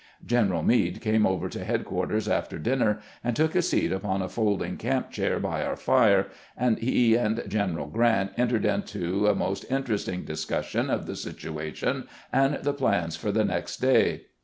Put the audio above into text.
Greneral Meade came over to headquarters after dinner, and took a seat upon a folding camp chair by our fire, and he and Greneral Glrant entered into a most interesting discussion of the situation and the plans for the next day.